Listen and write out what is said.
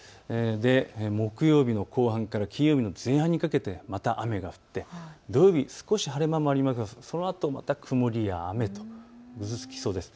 木曜日の後半から金曜日の前半にかけてまた雨が降って土曜日は少し晴れ間もありますがそのあと曇りや雨とぐずつきそうです。